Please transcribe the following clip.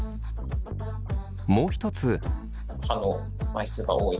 もう一つ。